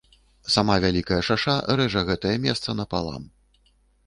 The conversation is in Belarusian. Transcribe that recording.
Сама вялікая шаша рэжа гэтае месца напалам.